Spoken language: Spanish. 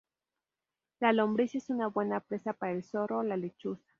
La lombriz es una buena presa para el zorro ó la lechuza.